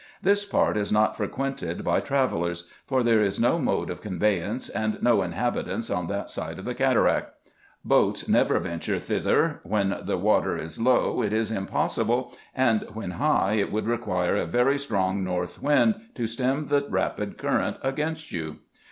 This part is not frequented by travellers ; for there is no mode of conveyance, and no inhabitants on that side of the cataract. Boats never venture thither: when the water is low, it is impossible ; and, when high, it would require a very strong north wind, to stem the rapid current against you.